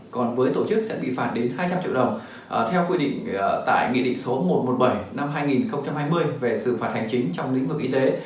còn với tổ chức sẽ bị phạt đến hai trăm linh triệu đồng theo quy định tại nghị định số một trăm một mươi bảy năm hai nghìn hai mươi về xử phạt hành chính trong lĩnh vực y tế